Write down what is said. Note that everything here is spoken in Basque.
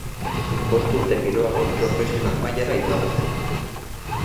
Bost urte geroago profesional mailara igaro zen.